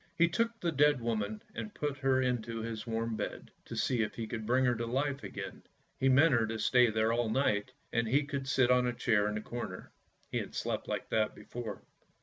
He took the dead woman and put her into his warm bed, to see if he could bring her to life again. He meant her to stay there all night, and he would sit on a chair in the corner ; he had slept like that before.